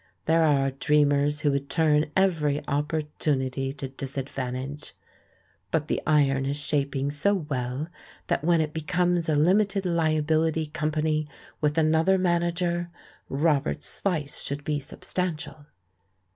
There are dreamers who would turn every opportunity to disadvantage. But the iron is shaping so well that when it becomes a limited liability company with another manager, Robert's slice should be substantial.